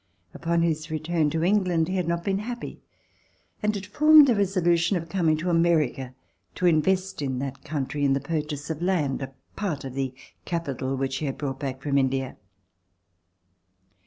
Upon his return to England he had not been happy and had formed the resolution of coming to America to invest in that country in the purchase of land a part of the capital which he had brought back from India.